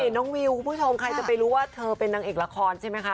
น้องวิวคุณผู้ชมใครจะไปรู้ว่าเธอเป็นนางเอกละครใช่ไหมคะ